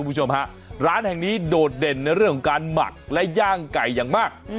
คุณผู้ชมฮะร้านแห่งนี้โดดเด่นในเรื่องของการหมักและย่างไก่อย่างมาก